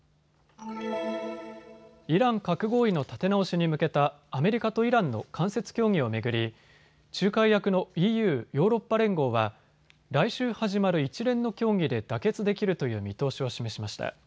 イラン核合意の立て直しに向けたアメリカとイランの間接協議を巡り仲介役のＥＵ・ヨーロッパ連合は来週、始まる一連の協議で妥結できるという見通しを示しました。